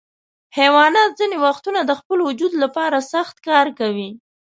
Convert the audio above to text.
حیوانات ځینې وختونه د خپل وجود لپاره سخت کار کوي.